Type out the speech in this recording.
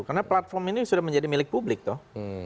karena platform ini sudah menjadi milik publik tuh